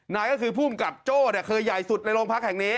นายก็คือภูมิกับโจ้เคยใหญ่สุดในโรงพักแห่งนี้